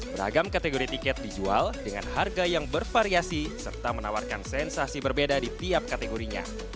beragam kategori tiket dijual dengan harga yang bervariasi serta menawarkan sensasi berbeda di tiap kategorinya